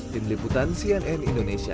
tim liputan cnn indonesia